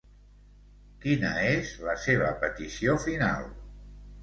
Quina és la seva petició final?